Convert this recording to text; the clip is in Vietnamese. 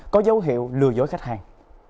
có dấu hiệu lừa dối khách hàng